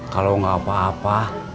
kalau gak apa apa